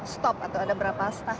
stop atau ada berapa staff